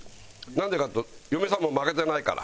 なんでかっていうと嫁さんも負けてないから。